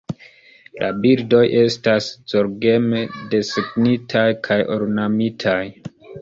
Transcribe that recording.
La bildoj estas zorgeme desegnitaj kaj ornamitaj.